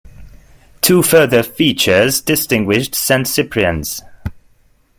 Two further features distinguished Saint Cyprian's.